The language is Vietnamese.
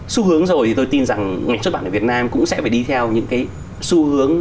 xu hướng rồi thì tôi tin rằng ngành xuất bản ở việt nam cũng sẽ phải đi theo những cái xu hướng